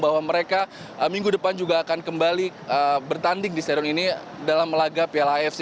bahwa mereka minggu depan juga akan kembali bertanding di stadion ini dalam laga piala afc